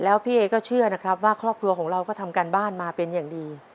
แล้วพี่เอก็เชื่อนะครับว่าครอบครัวของเราก็ทำการบ้านมาเป็นอย่างดี